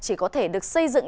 chỉ có thể được xây dựng